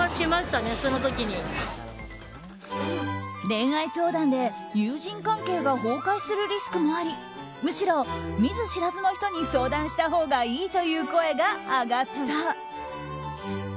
恋愛相談で友人関係が崩壊するリスクもありむしろ、見ず知らずの人に相談したほうがいいという声が上がった。